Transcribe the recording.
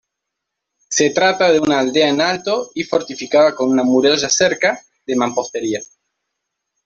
Se trata de una aldea en alto y fortificada con una muralla-cerca de mampostería.